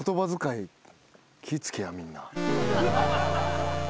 みんな。